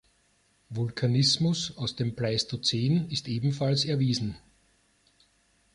Vulkanismus aus dem Pleistozän ist ebenfalls erwiesen.